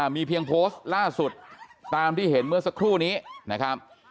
มีเพียงโพสต์ล่าสุดตามที่เห็นเมื่อสักครู่นี้นะครับ